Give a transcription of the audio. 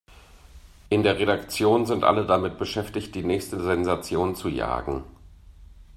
In der Redaktion sind alle damit beschäftigt, die nächste Sensation zu jagen.